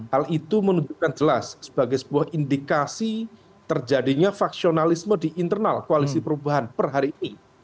hal itu menunjukkan jelas sebagai sebuah indikasi terjadinya faksionalisme di internal koalisi perubahan per hari ini